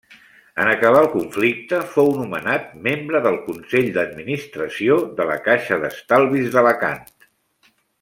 En acabar el conflicte fou nomenat membre del consell d'administració de la Caixa d'Estalvis d'Alacant.